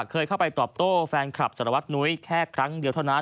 เคยเข้าไปตอบโต้แฟนคลับสารวัตนุ้ยแค่ครั้งเดียวเท่านั้น